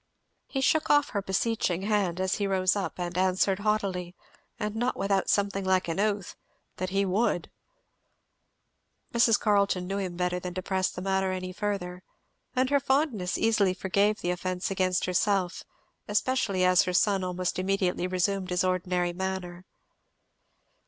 He shook off her beseeching hand as he rose up, and answered haughtily, and not without something like an oath, that he would. Mrs. Carleton knew him better than to press the matter any further; and her fondness easily forgave the offence against herself, especially as her son almost immediately resumed his ordinary manner.